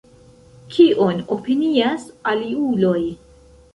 Kion opinias aliuloj?